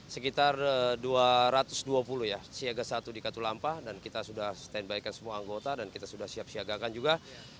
sekitar dua ratus dua puluh ya siaga satu di katulampa dan kita sudah stand by kan semua anggota dan kita sudah siap siagakan juga